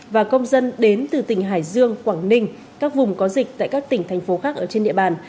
và công dân đến từ tỉnh hải dương quảng ninh các vùng có dịch tại các tỉnh thành phố khác ở trên địa bàn